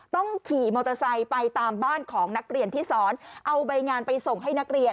ต้องขี่มอเตอร์ไซค์ไปตามบ้านของนักเรียนที่สอนเอาใบงานไปส่งให้นักเรียน